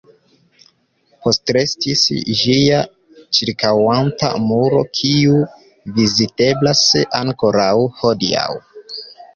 Postrestis ĝia ĉirkaŭanta muro, kiu viziteblas ankoraŭ hodiaŭ.